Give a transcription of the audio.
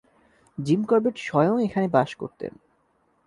Gym Corbett স্বয়ং এখানে বাস করতেন।